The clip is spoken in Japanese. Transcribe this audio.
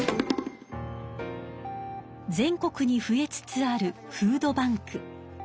全国に増えつつあるフードバンク。